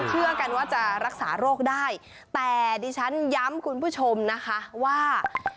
เชื่อกันว่าจะรักษาโรคได้แต่ดิฉันย้ำคุณผู้ชมนะคะว่า